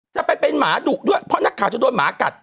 จะไปเป็นหมาดุด้วยเพราะนักข่าวจะโดนหมากัด